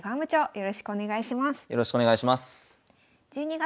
よろしくお願いします。